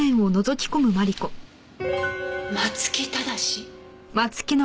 松木正。